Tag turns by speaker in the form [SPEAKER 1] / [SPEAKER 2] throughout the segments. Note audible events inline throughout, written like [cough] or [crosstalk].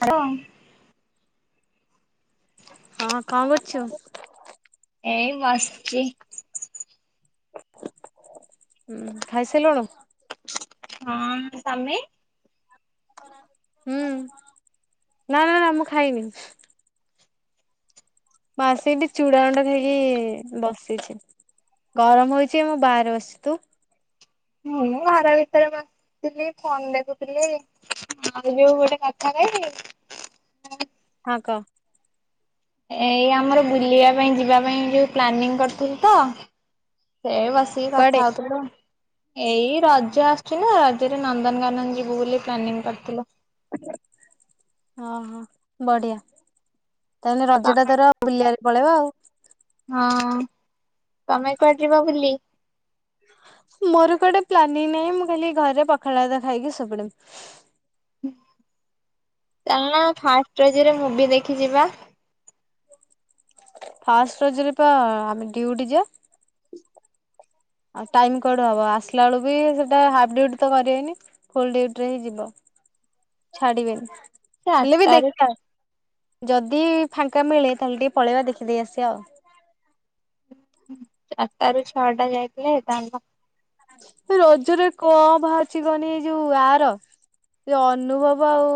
[SPEAKER 1] Hello.
[SPEAKER 2] ହଁ, କଣ କରୁଚୁ?
[SPEAKER 1] ଏଇ ବସଚି।
[SPEAKER 2] ହୁଁ ଖାଇ ସାଇଲୁଣୁ?
[SPEAKER 1] ହଁ ତମେ?
[SPEAKER 2] ହୁଁ ନା ନା ମୁଁ ଖାଇନି। ମୁଁ ଆସି ଏଠି ଚୂଡ଼ା ଅଣ୍ଡା ଖାଇକି ବସିଛି। ଗରମ ହଉଛି ମୁଁ ବାହାରେ ବସ୍ ତୁ
[SPEAKER 1] ମୁଁ ଘର ଭିତରେ ବସ ଥିଲି ଫୋନ ଦେଖୁଥିଲି ଆଉ ଯୋଉ ଗୋଟେ କଥା କହିବି।
[SPEAKER 2] ହଁ, କହ
[SPEAKER 1] ଏଇ ଆମର ବୁଲିବା ପାଇଁ ଯିବା ପାଇଁ ଯୋଉ ପ୍ଲାନିଂ କରୁଥୁଲୁ ତ, ସେଇ ବସ ସେଇ
[SPEAKER 2] କୁଆଡେ?
[SPEAKER 1] କଥା ହଉଥିଲୁ। ଏଇ ରଜ ଆସୁଛି ନା, ରଜରେ ନନ୍ଦନକାନନ ଯିବୁ ବୋଲି ପ୍ଲାନିଂ କରିଥିଲୁ।
[SPEAKER 2] ହଁ ହଁ ବଢିଆ ତାହେଲେ ରଜ ଟା ତାର ବୁଲିବାରେ ପଳେଇବ ଆଉ।
[SPEAKER 1] ହଁ, ତମେ କୁଆଡେ ଯିବ ବୁଲି।
[SPEAKER 2] ମୋର କୁଆଡେ ପ୍ଲାନିଂ ନାହିଁ, ମୁଁ ଖାଲି ଘରେ ପଖାଳ ଭାତ ଖାଇକି ଶୋଇ ପଡବି।
[SPEAKER 1] ଚାଲୁନ ଫାଷ୍ଟ ରଜରେ ମୁଭି ଦେଖି ଯିବା।
[SPEAKER 2] ଫାଷ୍ଟ ରଜରେ ବା ଆମେ ଡିଉଟି ଯିବା। ଆଉ ଟାଇମ କୁଆଡୁ ହବ, ଆସିଲା ବେଳୁ ବି ସେଟା ହାଫ୍ ଡୁଟି ତ କରିବେନି। ଫୁଲ୍ ଡ଼ିଉଟି ରେ ହିଁ ଯିବ, ଛାଡିବେନି। ହେଲେ ବି
[SPEAKER 1] ଚାରିଟାରୁ
[SPEAKER 2] ଦେଖିବା, ଯଦି ଫାଙ୍କା ମିଳେ ତାହେଲେ ଟିକେ ପଳେଇବା ଦେଖିଦେଇ ଆସିବା ଆଉ।
[SPEAKER 1] ଚାରିଟା ରୁ ଛଅଟା ଯାଇଥିଲେ ହେଇଥାନ୍ତା।
[SPEAKER 2] ଏ ରଜରେ କଣ ବାହାରୁଛିି କହନି ଏଇ ଯୋଉ ଆର ସେ ଅନୁଭବ ଆଉ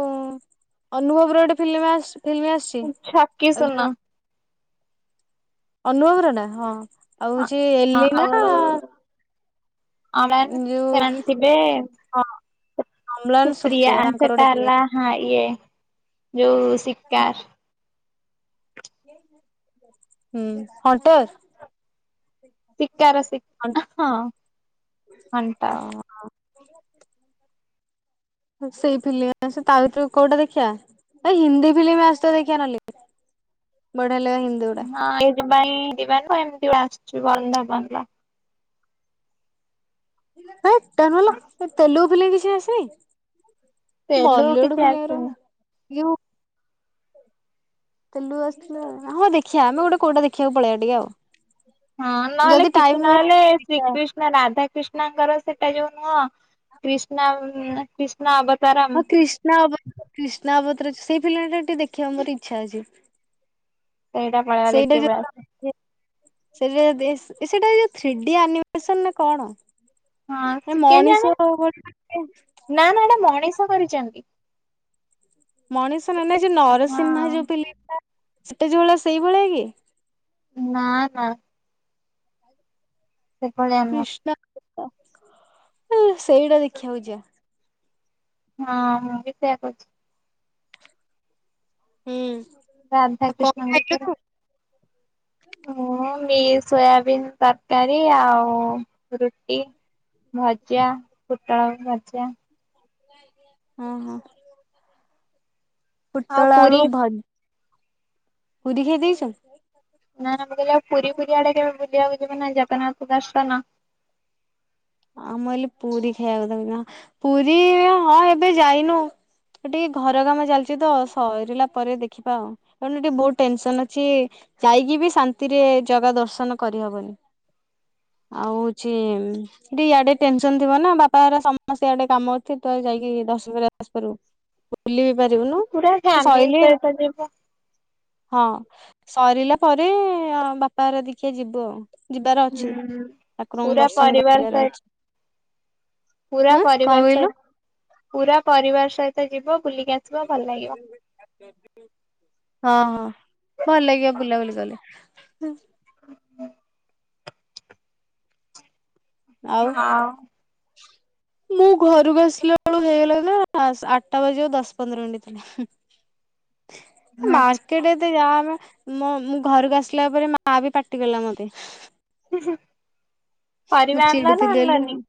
[SPEAKER 2] ଅନୁଭବ ର ଗୋଟେ ଫିଲ୍ମ ଆସ୍ ଫିଲ୍ମ ଆସ୍
[SPEAKER 1] ଉଁ ଛକି ସୁନ।
[SPEAKER 2] ଅନୁଭବର ନା, ହଁ ଆଉ
[SPEAKER 1] ହଁ
[SPEAKER 2] ହଉଛି
[SPEAKER 1] ହଁ
[SPEAKER 2] ଏଲିନା।
[SPEAKER 1] ଆଉ ଅମ୍ଳାନ
[SPEAKER 2] ଯୋଉ
[SPEAKER 1] ସେମାନେ ଥିବେ
[SPEAKER 2] ହଁ। ଅମ୍ଳାନ ସୁପ୍ରିୟା ତାଙ୍କର
[SPEAKER 1] ସେଟା
[SPEAKER 2] ଗୋଟେ ଫିଲ୍ମ
[SPEAKER 1] ହେଲା
[SPEAKER 2] ଆ
[SPEAKER 1] ହଁ, ଇଏ ଯୋଉ ଶିକାର୍।
[SPEAKER 2] ହୁଁ, ହଣ୍ଟର।
[SPEAKER 1] ଶିକାର ଶି ଅ ହଁ ହଣ୍ଟର୍।
[SPEAKER 2] ଅଁ, ସେଇ ଥିଲେ ସେ ତା ଭିତରୁ କୋଉଟା ଦେଖିବା। ଆ ହିନ୍ଦୀ ଫିଲ୍ମ ଆସ ଦେଖିବା ନହଲେ, ବଢିଆ ହେଲେ ହିନ୍ଦୀ ଗୁଡା
[SPEAKER 1] ହଁ, ଏଇଥି ପାଇଁ ଯିବା ନୁହଁ ଏମିତି ଆସିଛୁ ବନ୍ଦା ବନ
[SPEAKER 2] ଇଲ ହେଇ ଟା ନୁଲୋ ଏ ତେଲୁଗୁ ଫିଲ୍ମ କିଛି ଆସିନି।
[SPEAKER 1] ତେଲୁ
[SPEAKER 2] ବଲିଉଡ
[SPEAKER 1] କିଛି
[SPEAKER 2] ଫିଲ୍ମ ଗୁରା,
[SPEAKER 1] ଆସୁନି
[SPEAKER 2] ଇଏ କଁ ତେଲୁ ଆସିଥିଲା ହଁ ଦେଖିଆ ଆମେ ଗୋଟେ କୋଉଟା ଦେଖିବାକୁ ପଳେଇବା ଟିକେ ଆଉ।
[SPEAKER 1] ହଁ, ନହେଲେ
[SPEAKER 2] ଯଦି
[SPEAKER 1] କିଛି
[SPEAKER 2] ଟାଇମ ହୁଏ
[SPEAKER 1] ନହେଲେ
[SPEAKER 2] ତାହେଲେ ଟିକେ ଦେଖିବା
[SPEAKER 1] ଶ୍ରୀକ୍ରୀଷ୍ଣା ନା ରାଧା କ୍ରିଷ୍ଣାଙ୍କର ସେଟା ଯୋଉ ନୁହଁ କ୍ରିଷ୍ଣାମ୍ କ୍ରିଷ୍ଣା
[SPEAKER 2] ହଁ
[SPEAKER 1] ଅବତାରମ୍।
[SPEAKER 2] କ୍ରିଷ୍ଣା ଅବ କ୍ରିଷ୍ଣା ଅବତାର ସେଇ ଫିଲ୍ମ ଟା ଟିକେ ଦେଖିବାକୁ ମୋର ଇଚ୍ଛା ଅଛି।
[SPEAKER 1] ସେଇଟା ପଳେଇବା ଦେଖିବା।
[SPEAKER 2] ଏ ସେଇଟା ଯଦି ସେଇଟା ଯୋଉ ଥ୍ରିଡି ଆନିମେସନ ନା କଣ ଏ
[SPEAKER 1] ହଁ କେଜାଣି
[SPEAKER 2] ମଣିଷ ଭଳିଆ ଆଙ୍କି ହେଇଛି।
[SPEAKER 1] ନା ନା ଏଇଟା ମଣିଷ କରିଚନ୍ତି।
[SPEAKER 2] ମଣିଷ ନ ନା ଯୋଉ
[SPEAKER 1] ହଁ
[SPEAKER 2] ନରସିଂହା ଯୋଉ ପିଲିଥିଲା ସେଟା ଯୋଉ ଭଳିଆ ସେଇଭଳିଆ କି
[SPEAKER 1] ନା ନା। ସେଭଳିଆ ନୁହଁ
[SPEAKER 2] କଷ୍ଣ ସେଇଟା ଦେଖିବା କୁ ଯିବା।
[SPEAKER 1] ହଁ ମୁ ବି ସେୟଆ କରଛି।
[SPEAKER 2] ହୁଁ। ଆଉ କଣ
[SPEAKER 1] ରାଧାକୃଷ୍ଣ ମୂର୍ତ୍ତି ପାଖରେ।
[SPEAKER 2] ଖାଇଲୁ?
[SPEAKER 1] ହଁ ମି ସୋୟାବିନ୍ ତରକାରୀ ଆଉ ରୁଟି। ଭଜା ପୋଟଳ ଆଳୁ ଭଜା।
[SPEAKER 2] ହଁ ହଁ।
[SPEAKER 1] ଆଉ
[SPEAKER 2] ପୋଟଳ ଆଳୁ
[SPEAKER 1] ପୁରୀ
[SPEAKER 2] ଭ ପୁରୀ ଖାଇ ଦେଇଛ?
[SPEAKER 1] ନା ନା ମୁଁ କହିଲି ଆ ପୁରୀ ପୁରୀଆ ଆଡେ କେବେ ବୁଲିବାକୁ ଯିବୁ ନା ଜଗନ୍ନାଥ ଦର୍ଶନ?
[SPEAKER 2] ଆଉ ମୁଁ ଭାବିଲି ପୁରୀ ଖାଇବାକୁ ଥାବ ପୁରୀ ହଁ ଏବେ ଯାଇନୁ? ଟିକେ ଘର କାମ ଚାଲିଛି ତ ସରିଲା ପରେ ଦେଖିବା ଆଉ ଏବେ ଟିକେ ବହୁତ ଟେନସନ ଅଛି। ଯାଇକି ବି ଶାନ୍ତିରେ ଜଗା ଦର୍ଶନ କରିହବନି। ଆଉ ହଉଛି। ଟିକେ ଇଆଡେ ଟେନସନ ଥିବ ନା ବାପା ସମସ୍ତେ ଇଆଡେ କାମ ଅଛି ତୁ ଯାଇକି ଦର୍ଶନ କରିଆସି ପାରି ବୁ। ବୁଲି ବି ପାରିବୁନୁ
[SPEAKER 1] ପୁରା ଫ୍ୟାମିଲି
[SPEAKER 2] ଶଇଲେ।
[SPEAKER 1] ସହିତ ଯିବୁ
[SPEAKER 2] ହଁ ସରିଲା ପରେ ବାପା ହାରିକକା ଦେଖିଆ ଯିବୁ ଆଉ ଯିବାର ଅଛି
[SPEAKER 1] ହୁଁ
[SPEAKER 2] ଠାକୁରଙ୍କୁ
[SPEAKER 1] ପୁରା
[SPEAKER 2] ଦର୍ଶନ
[SPEAKER 1] ପରିବାର
[SPEAKER 2] କରି। ଅ ଆଁ
[SPEAKER 1] ସହିତ ପୁରା
[SPEAKER 2] କଣ
[SPEAKER 1] ପରିବାର
[SPEAKER 2] କହିଲ?
[SPEAKER 1] ସହିତ ପୁରା ପରିବାର ସହିତ ଯିବ ବୁଲିକି ଆସିବ ଭଲ ଲାଗିବ।
[SPEAKER 2] ହଁ ହଁ ଭଲ ଲାଗିବ ବୁଲାବୁଲି କଲେ।
[SPEAKER 1] ହ ହଁ ଆଉ
[SPEAKER 2] ମୁଁ ଘରକୁ ଆସିଲା ବେଳ ହେଇଗଲା ନା ଆଠଟା ବାଜି ଆଉ ଦଶ ପନ୍ଦର ମିନିଟ ଥିଲା। ମା ମାର୍କେଟେ ଏତେ ଯାମେ ମ ମୁଁ ଘରକୁ ଆସିଲା ପରେ ମା ବି ପାଟି ଗଲା ମତେ। ମୁଁ
[SPEAKER 1] ପରିବା ଆଣିଲ ନା
[SPEAKER 2] ଚିଡୁଥିଲି ବୋଲି
[SPEAKER 1] ଆଣିଲନି।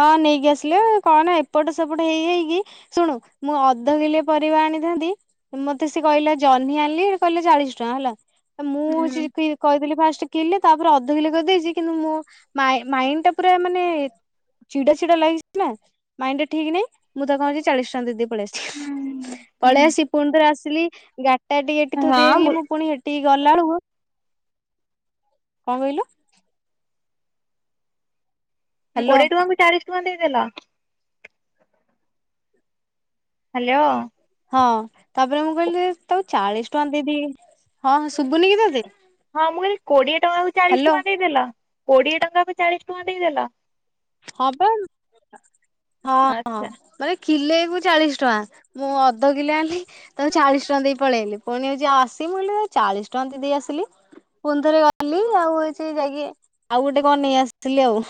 [SPEAKER 2] ହଁ ନେଇକି ଆସିଲେ କଣ ନା ଏପଟ ସେପଟ ହେଇହେଇକି। ଶୁଣୁ ମୁଁ ଅଧ କିଲୋ ପରିବା ଆଣିଥାନ୍ତି। ମତେ ସେ କହିଲା ଜହ୍ନି ଆଣିଲି କହିଲା ଚାଳିଶ ଟଙ୍କା ହେଲା ମୁଁ
[SPEAKER 1] ହୁଁ
[SPEAKER 2] ହଉଛି କହିଥିଲି ଫାଷ୍ଟ କିଲେ ତାପରେ ଅଧ କିଲୋ କରିଦେଇଛି କିନ୍ତୁ ମୋ ମାଇଣ୍ଡ ଟା ପୁରା ମାନେ ଚିଡାଚିଡା ଲାଗିଛି ନା ମାଇଣ୍ଡଟା ଠିକ ନାଇଁ ମୁଁ ତା କଛି ଚାଳିଶ ଟଙ୍କା ଦେଇଦେଇ ପଳେଇ ଆସିଛି।
[SPEAKER 1] ହୁଁ ହୁଁ
[SPEAKER 2] ପଳେଇଆସି ପୁଣି ରେ ଆସିଲି ଗା ସେ ଟିକେ ଏଠି ଥୋଇ ଦେଇଦି
[SPEAKER 1] ହଁ
[SPEAKER 2] ମୁଁ ପୁଣି ସେଠିକି ଗଲାବେଳେକୁ କୁ କଣ କହିଲୁ? ହ୍ୟାଲୋ
[SPEAKER 1] କୋଡିଏ ଟଙ୍କାଙ୍କୁ ବି ଚାଳିଶ ଟଙ୍କା ଦେଇଦେଲ। ହ୍ୟାଲୋ।
[SPEAKER 2] ହଁ ତାପରେ ମୁଁ କହିଲି ଯେ ତାକୁ ଚାଳିଶ ଟଙ୍କା ଦେଇଦିି ହଁ ଶୁଭୁନି କି ତତେ?
[SPEAKER 1] ହଁ ମୁଁ କହଲିି କୋଡିଏ ଟଙ୍କାକୁଚାଳିଶ
[SPEAKER 2] ହ୍ୟାଲୋ
[SPEAKER 1] ଟଙ୍କା ଦେଇଦେଲା କୋଡିଏ ଟଙ୍କାକୁ ଚାଳିଶ ଟଙ୍କା ଦେଇଦେଲ।
[SPEAKER 2] ହଁ ପା ହଁ ହଁ।
[SPEAKER 1] ଆଚ୍ଛା
[SPEAKER 2] ମାନେ କିଲୋକୁ ଚାଳିଶ ଟଙ୍କା ମୁଁ ଅଧ କିଲୋ ଆଣିଲି। ତାଙ୍କୁ ଚାଳିଶ ଟଙ୍କା ଦେଇ ପଳେଇଆଇଲି ପୁଣିଉ ଯ ଆସିକି ମୁଁ ଚାଳିଶ ଟଙ୍କା ଦେଇ ଆସିଲି। ପୁଣିଥରେ ଗଲି ଆଉ ହେଇଛି ଯାଇକ ଆଉ ଗୋଟେ କଣ ନେଇ ଆସିଥିଲି ଆଉ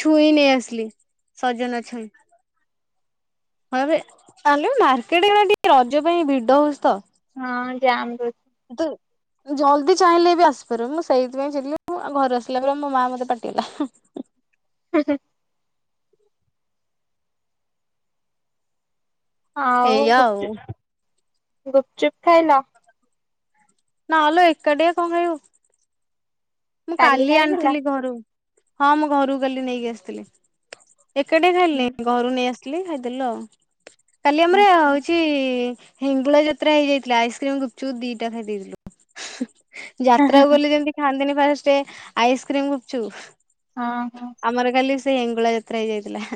[SPEAKER 2] ଛୁଇଁ ନେଇ ଆସିଲି ସଜନା ଛୁଇଁ। ହଁ ତାହେଲେ ମାର୍କେଟ ଟିକେ ରଜ ପାଇଁ ଭିଡ ହଉଛି ତ।
[SPEAKER 1] ହଁ ଜାମ୍ ରହୁ
[SPEAKER 2] କିନ୍ତୁ ଜଲ୍ଦି ଚାହିଁଲେ ବି ଆସିପାରୁିବ ମୁଁ ସେଇଥିପାଇଁ ଚାଲଉ ଘରୁ ଆସିଲା ପରେ ମୋ ମା ମତେ ପାଟିଗଲା।
[SPEAKER 1] ହୁଁ ହୁଁ। ଆଉ
[SPEAKER 2] ଏଇଆ ଆଉ
[SPEAKER 1] ଗୁପଚୁପ୍ ଗୁପଚୁପ୍ ଖାଇନ?
[SPEAKER 2] ନାଲୋ ଏକାଟିଆ କଣ ଖାଇବୁ? ମୁଁ କାଲି ଆଣିଥିଲି ଘରୁ। ହଁ ମୁଁ ଘରକୁ କାଲି ନେଇକି ଆସିଥିଲି। ଏକାଟିଆ ଖାଇଲିନି। ଘରୁ ନେଇ ଆସିଥିଲି ଖାଇଦେଲୁ ଆଉ। କାଲି
[SPEAKER 1] ହଁ
[SPEAKER 2] ଆମର ହଉଚି ହିଙ୍ଗୁଳା ଯାତ୍ରା ହେଇଯାଇଥିଲା। ଆଇସ୍କ୍ରିମ ଗୁପଚୁପ ଦିଟା ଖାଇ ଦେଇଥିଲୁ,
[SPEAKER 1] ହଁ
[SPEAKER 2] ଯାତ୍ରାକୁ ଗଲେ ଯେମିତି ଖାନ୍ତିନି ଫାଷ୍ଟେ ଆଇସ୍କ୍ରିମ୍ ଗୁପଚୁପୁ।
[SPEAKER 1] ହଁ।
[SPEAKER 2] ଆମର କାଲି ସେ ଇଙ୍ଗୁଳା ଯାତ୍ରା ହେଇଯାଇଥିଲା।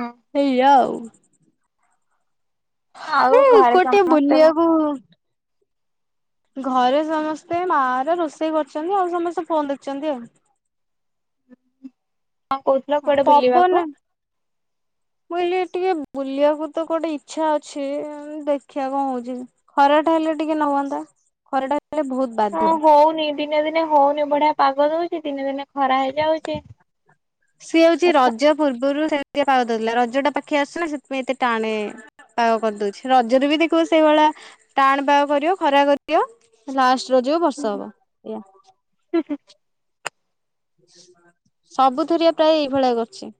[SPEAKER 1] ହଁ।
[SPEAKER 2] ଏଇଆ ଆଉ।
[SPEAKER 1] ଆଉ ଘରେ
[SPEAKER 2] ଗୋଟେ
[SPEAKER 1] କାମ ସବୁ
[SPEAKER 2] ବୁଲିବାକୁ ଘରେ ସମସ୍ତେ ମାଆ ଅରା ରୋଷେଇ କରୁଚନ୍ତି ଆଉ ସମସ୍ତେ ଫୋନ ଦେଖିଚନ୍ତି ଆଉ।
[SPEAKER 1] କହୁଥିଲ
[SPEAKER 2] ହଁ
[SPEAKER 1] କୁଆଡେ ବୁଲିବାକୁ?
[SPEAKER 2] ପବନ ବୋଇଲି ଟିକେ ବୁଲିବାକୁତ କୁଆଡେ ଇଚ୍ଛା ଅଛି, ଦେଖିବା କଣ ହଉଚି। ଖରାଟା ହେଲେ ଟିକେ ନହୁଅନ୍ତା। ଖରାଟା ହେଲେ ବହୁତ
[SPEAKER 1] ହଁ
[SPEAKER 2] ବାଧିବ।
[SPEAKER 1] ହଉନି, ଦିନେ ଦିନେ ହଁଉନି ବଢିଆ ପାଗ ଦଉଚି। ଦିନେ ଦିନେ ଖରା ହେଇଯାଉଚି।
[SPEAKER 2] ସିଏ ହଉଚି ରଜ ପୂର୍ବରୁ ସେମିତିଆ ପାଗ ଦଉଥିଲା। ରଜ ଟା ପାଖେଇ ଆସୁଚି ନା ସେଥିପାଇଁ ଏତେ ଟାଣେ ପାଗ କରିଦଉଚି। ରଜରେ ବି ଦେଖିବ ସେଇଭଳିଆ ଟାଣ ପାଗ କରିବ ଖରା କରିବ। ଲାଷ୍ଟ ରଜକୁ ବର୍ଷ ହବ ଏଇଆ।
[SPEAKER 1] ହୁଁ।
[SPEAKER 2] ସବୁ ଥରିଆ ପ୍ରାୟ, ଏଇଭଳିଆ କରୁଚି।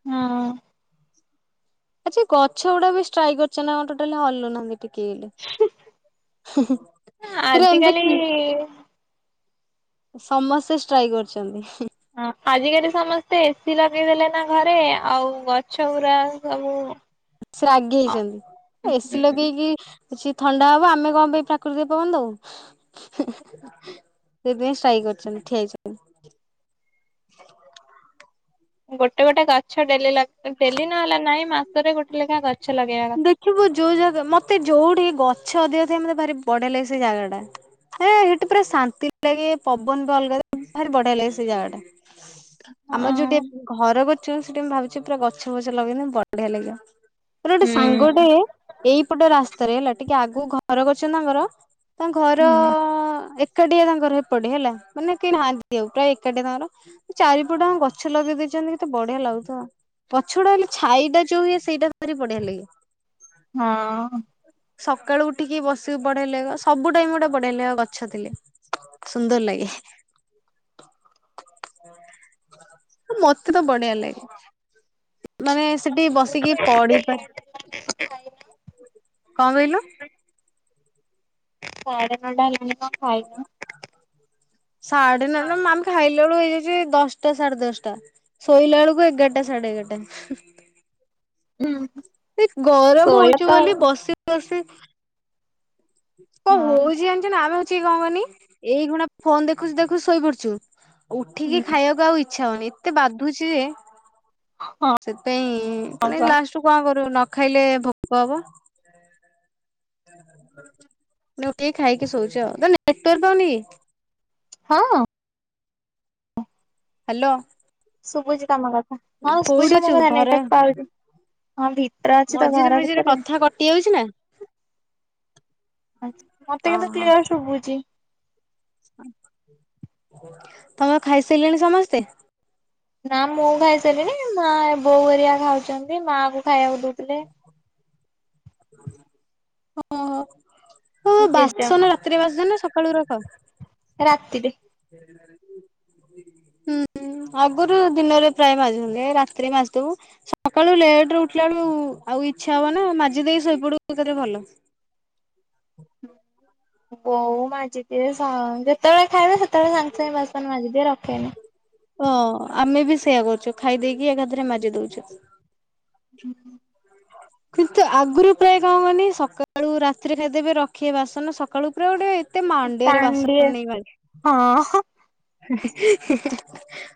[SPEAKER 1] ହୁଁ।
[SPEAKER 2] ଆଜି ଗଛ ଗୁଡା ବି ଷ୍ଟ୍ରାଇକ କରିଛନ୍ତି ନା କଣ ଟୋଟାଲି ହଲୁନାହାନ୍ତି। ଟିକେ ହେଲେ, ପୁରା ଏମିତି ଉ
[SPEAKER 1] କିଏ?
[SPEAKER 2] ସମସ୍ତେ ଷ୍ଟ୍ରାଇକ କରିଛନ୍ତି।
[SPEAKER 1] ହଁ ଆଜିକାଲି ସମସ୍ତେ ଏସିି ଲଗେଇ ଦେଲେ ନା ଘରେ ଆଉ ଗଛ ଗୁରା ସବୁ
[SPEAKER 2] ସେ
[SPEAKER 1] ହଁ
[SPEAKER 2] ରାଗିଯାଇଚନ୍ତି ଆ ଏସି ଲଗେଇକି ସିଏ ଥଣ୍ଡା ହବ ଆମେ କଣ ପାଇଁ ପ୍ରାକୃତିକ ପବନ ଦବୁ। ସେଥିାଇଁ ଷ୍ଟ୍ରାଇକ କରିଚନ୍ତି ଠିଆ ହେଇଚନ୍ତି।
[SPEAKER 1] ଗୋଟେ ଗୋଟେ ଗଛ ଡେଲି ଲଗା ଡେଲି ନହେଲା ନାଇଁ ମାସରେ ଗୋଟେ ଲେଖା ଗଛ ଲଗାଇବା କଥା।
[SPEAKER 2] ଥିବୁ ଯୋଉ ଜାଗା ମତେ ଯୋଉଠି ଗଛ ଅଧିକ ଥାଏ ମତେ ଭାରି ବଢିଆ ଲାଗେ ସେ ଜାଗା ଟା। ହେ ସେଇଠି ପୁରା ଶାନ୍ତି ଲାଗେ। ପବନ ବି ଅଲଗା ଲାଗେ। ଭାରି ବଢିଆ ଲାଗେ ସେଇ ଜାଗା ଟା। ଆମର ଯୋଉଟି
[SPEAKER 1] ହଁ
[SPEAKER 2] ଏବ୍ ଘର କରି ଚୁ ସେଠି ମୁଁ ଭାବୁଚି ପୁରା ଗଛ ଫଛ ଲଗେଇନି ବଢିଆ ଲାଗିବ। ମୋର ଗୋଟେ ସାଙ୍ଗଟେ ଏଇପଟ ରାସ୍ତାରେ ହେଲା ଟିକେ ଆଗକୁ ଘର କରଚନ୍ତି ତାଙ୍କର ତାଙ୍କ ଘର
[SPEAKER 1] ହୁଁ
[SPEAKER 2] ଏ କାଠିଆ ତାଙ୍କର ହେପଟେ ହେଲା ମାନେ କେହି ନାହାନ୍ତି ଆଉ ପ୍ରାୟ ଏକାଠିଆ ତାଙ୍କର ଚାରିପଟ ଜାକ ଗଛ ଲଗେଇ ଦେଇଚନ୍ତି କେତେ ବଢିଆ ଲାଗୁଥିବ। ପଛଆଡୁ ହେଲେ ଛାଇ ଟା ଯୋଉ ହୁଏ ସେଇଟାଭାରି ବଢିଆ ଲାଗେ।
[SPEAKER 1] ହଁ।
[SPEAKER 2] ସକାଳୁ ଉଠିକି ବସିକି ବଢିଆ ଲାଗିବ। ସବୁ ଟାଇମ ଗୁଡା ବଢିଆ ଲାଗିବ ଗଛ ଥିଲେ। ସୁନ୍ଦର ଲାଗେ। ମତେ ତ ବଢିଆ ଲାଗେ। ମାନେ ସେଠି ବସିକି ପଡିିପାର, କଣ କହିଲୁ?
[SPEAKER 1] ସାଡେ ଛ ଟା ହେଲାଣି କଣ ଖାଇନ?
[SPEAKER 2] ସାଢ଼େ ନଅ ଟା ମାମ ଖାଇଲ ଲା ବେଳକୁ ହେଇଯାଉଚି ଦଶଟା ସାଢେ ଦଶଟା। ଶୋଇଲା ବେଳକୁ ହେଇ ଯାଉଚି ଏଗାରଟା ସାଢେ ଏଗାରଟା।
[SPEAKER 1] ହୁଁ।
[SPEAKER 2] ସେ ଗରମ ହଉଛି ବୋଲି ବସି ବସି କଣ
[SPEAKER 1] ଆଉ
[SPEAKER 2] ହଉଛି ଜାଣିଛୁ ନା ଆମେ ହଉଛି କଣ କହନି ଏଇ ଖିନା ଫୋନ ଦେଖୁଛୁ ଦେଖୁଛୁ ଶୋଇପଡୁଚୁ। ଉଠିକି
[SPEAKER 1] ହଁ ହୁଁ
[SPEAKER 2] ଖାଇବାକୁ ଆଉ ଇଚ୍ଛା ହଉନି ଏତେ ବାଧୁଛି ଯେ। ସେଥିପାଇଁ
[SPEAKER 1] ହଁ
[SPEAKER 2] ପୁଣି
[SPEAKER 1] ବା
[SPEAKER 2] ଲାଷ୍ଟକୁ କଣ କରିବୁ ନ ଖାଇଲେ ଭୋକ ହବ। ମୁଁ ଉଠିକି ଖାଇକି ଶୋଇଉଛି ଆଉ ତୋର ନେଟୱର୍କ ପାଉନି।
[SPEAKER 1] ହଁ।
[SPEAKER 2] ହ୍ୟାଲୋ।
[SPEAKER 1] [unintelligible] ହଁ ଭିତରେ
[SPEAKER 2] କୋଉଠି ଅଛୁ ଘରେ
[SPEAKER 1] ଅଛି ତ
[SPEAKER 2] ମଝିରେ
[SPEAKER 1] ଘର
[SPEAKER 2] ମଝିରେ
[SPEAKER 1] ଭିତରେ।
[SPEAKER 2] କଥା କଟି ଯାଉଛି ନା
[SPEAKER 1] ମତେ କିନ୍ତୁ
[SPEAKER 2] ଓହୋ
[SPEAKER 1] କ୍ଲିୟର ଶୁଭୁଚି।
[SPEAKER 2] ତମର ଖାଇ ସାରିଲେଣି ସମସ୍ତେ।
[SPEAKER 1] ନା ମୁଁ ଖାଇସାରିଲିଣି ମା ଏ ବୋଉ ହେରିକା ଖାଉଛନ୍ତି ମା କୁ ଖାଇବାକୁ ଦଉଥିଲେ।
[SPEAKER 2] ଓହ
[SPEAKER 1] ଜେଜେମା
[SPEAKER 2] ବାସନ ରାତିରେ ମାଜୁଛନା ସକାଳୁ ରଖ।
[SPEAKER 1] ରାତିରେ।
[SPEAKER 2] ହୁଁ। ଆଗରୁ ଦିନରେ ପ୍ରାୟ ମାଜୁଛନ୍ତି ଏ ରାତିରେ ମାଜିଦେବୁ। ସକାଳୁ ଲେଟରେ ଉଠିଲା ବେଳୁ ଆଉ ଇଚ୍ଛା ହବ ନା ମାଜି ଦେଇକି ଶୋଇପଡୁ ସେ ଯେ ଭଲ।
[SPEAKER 1] ବୋଉ ମାଜି ଦିଏ ସ ଯେତେବେଳେ ଖାଇବେ ସେତେବେଳେ ସାଙ୍ଗେ ସାଙ୍ଗେ ବାସନ ମାଜି ଦିଏ ରଖେନି।
[SPEAKER 2] ହଁ ଆମେ ବି ସେଇୟା କରୁଛୁ ଖାଇ ଦେଇକି ଏକାଥରେ ମାଜି ଦଉଛୁ।
[SPEAKER 1] [unintelligible]
[SPEAKER 2] [inaudible] କିନ୍ତୁ ଆଗରୁ ପ୍ରାୟ କଣ କରନି ସକାଳୁ ରାତିରେ ଖାଇଦେବେ ରଖିବେ ବାସନ ସକାଳୁ ପୁରା ଗୋଟେ ଏତେ ମାଣ୍ଡିଆରେ ବାସନ
[SPEAKER 1] ତାଣ୍ଡିଆ
[SPEAKER 2] ନେଇ ମାଜି
[SPEAKER 1] ହଁ ହଁ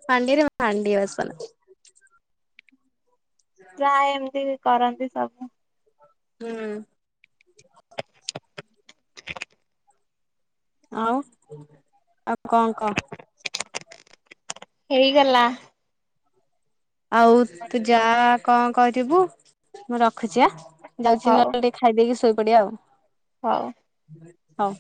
[SPEAKER 2] ମାଣ୍ଡିଆରେ ହାଣ୍ଡିଏ ବାସନ।
[SPEAKER 1] ପ୍ରାଏ ଏମିତି କରନ୍ତିତ।
[SPEAKER 2] ହୁଁ।
[SPEAKER 1] [inaudible]
[SPEAKER 2] ଆଉ ଆଉ କଣ କହ।
[SPEAKER 1] ହେଇଗଲା।
[SPEAKER 2] ଆଉ ତୁ ଯା କଣ କରିବୁ ମୁଁ ରଖୁଚି ଆ ଯାଉଚି
[SPEAKER 1] ହଉ
[SPEAKER 2] ନହେଲେ ଖାଇଦେଇକି ଶୋଇପଡିଆ ଆଉ।
[SPEAKER 1] ହଉ।
[SPEAKER 2] ହଉ।